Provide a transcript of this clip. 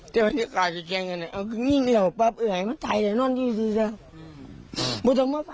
ทำเกินไปไหม